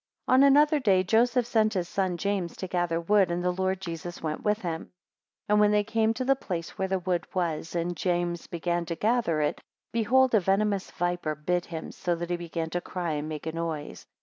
ON another day Joseph sent his son James to gather wood, and the Lord Jesus went with him; 2 And when they came to the place where the wood was, and James began to gather it, behold, a venomous viper bit him, so that he began to cry, and make a noise.